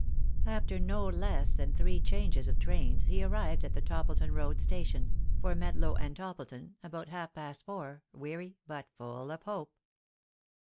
After no less than three changes of trains he arrived at the Toppleton Road Station — for Medlow and Topple ton— about half past four, weary, but 'full of hope.